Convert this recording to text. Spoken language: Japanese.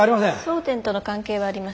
争点との関係はあります。